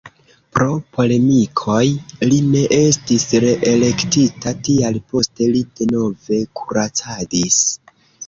Pro polemikoj li ne estis reelektita, tial poste li denove kuracadis.